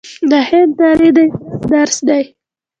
د هند تاریخ د عبرت درس دی.